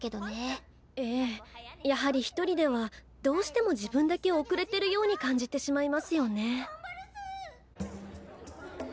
ええやはり１人ではどうしても自分だけ遅れてるように感じてしまいますよね。